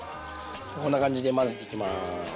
こんな感じで混ぜていきます。